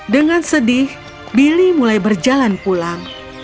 dengan sedih billy mulai berjalan pulang